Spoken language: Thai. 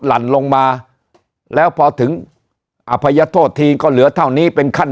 หลั่นลงมาแล้วพอถึงอภัยโทษทีก็เหลือเท่านี้เป็นขั้น